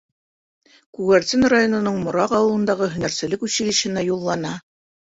Күгәрсен районының Мораҡ ауылындағы һөнәрселек училищеһына юллана.